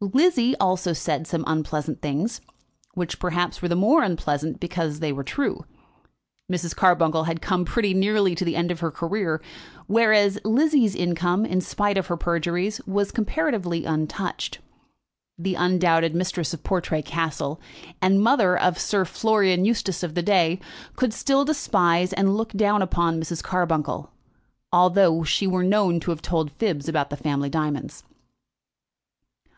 Lizzie also said some unpleasant things, which, perhaps, were the more unpleasant because they were true. Mrs. Carbuncle had come pretty nearly to the end of her career, whereas Lizzie's income, in spite of her perjuries, was comparatively untouched. The undoubted mistress of Portray Castle, and mother of the Sir Florian Eustace of the day, could still despise and look down upon Mrs. Carbuncle, although she were known to have told fibs about the family diamonds.